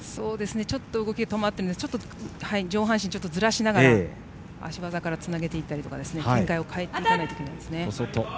動きが止まっているのでちょっと上半身をずらしながら足技からつなげていったりとか展開を変えないといけないですね。